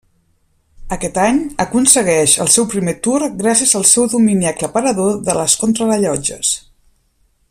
Aquest any aconsegueix el seu primer Tour gràcies al seu domini aclaparador de les contrarellotges.